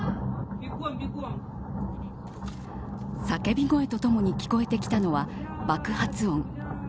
叫び声とともに聞こえてきたのは爆発音。